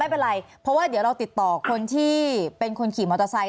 ไม่เป็นไรเพราะว่าเดี๋ยวเราติดต่อคนที่เป็นคนขี่มอเตอร์ไซค